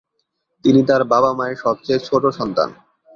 তিনি তার বাবা-মায়ের সবচেয়ে ছোট সন্তান।